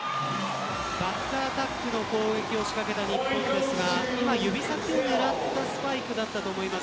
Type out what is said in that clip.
バックアタックの攻撃を仕掛けた日本ですが指先を狙ったスパイクだったと思います。